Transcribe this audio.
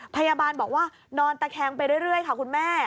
พยาบาลบอกว่านอนตะแคงไปเรื่อยค่ะคุณแม่